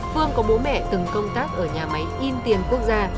phương có bố mẹ từng công tác ở nhà máy in tiền quốc gia